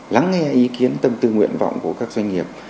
lắng nghe ý kiến tâm tư nguyện vọng của các doanh nghiệp